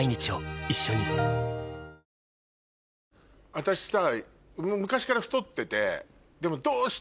私さ。